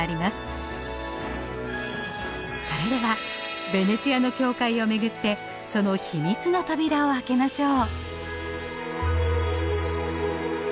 それではベネチアの教会をめぐってその秘密の扉を開けましょう。